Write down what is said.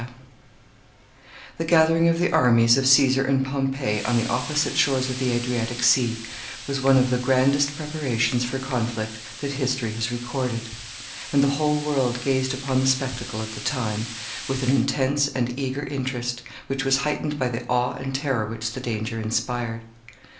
] The gathering of the armies of Caesar and Pompey on the opposite shores of the Adriatic Sea was one of the grandest preparations for conflict that history has recorded, and the whole world gazed upon the spectacle at the time with an intense and eager interest, which was heightened by the awe and terror which the danger inspired.